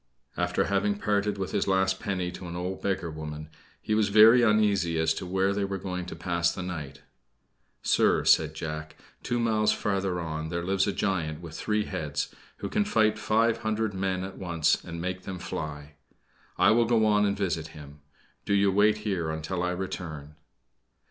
After having parted with his last penny to an old beggar woman, he was very uneasy as to where they were to pass the night. "Sir," said Jack, "two miles farther on there lives a giant with three heads, who can fight five hundred men at once and make them fly. I will go on and visit him do you wait here until I return."